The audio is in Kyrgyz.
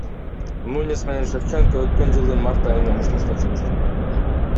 Нунес менен Шевченко өткөн жылдын март айында мушташка чыгышкан.